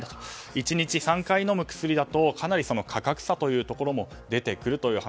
１日３回飲む薬だとかなり、価格差も出てくるというお話。